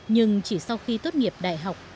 nhưng chỉ sau khi tốt nghiệp đại học